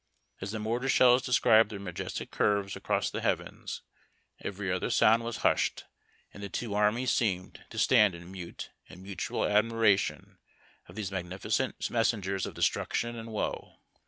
As the mortar shells described their majestic curves across the lieavens every other sound was hushed, and the two armies seemed to stand in mute and mutual admiration of these magnificent messengers of destruction and woe.